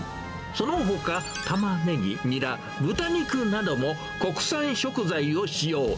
そのほか、タマネギ、ニラ、豚肉なども国産食材を使用。